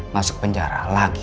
masuk penjara lagi